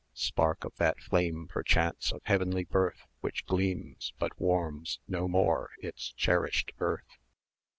100 Spark of that flame, perchance of heavenly birth, Which gleams, but warms no more its cherished earth!